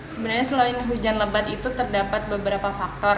sebenarnya selain hujan lebat itu terdapat beberapa faktor